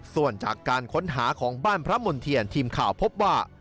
ส่วนจากการค้นหาของบ้านพระมณ์เทียนทีมข่าวพบว่า